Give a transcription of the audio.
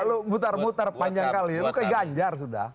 lo muter muter panjang kali lo ke ganjar sudah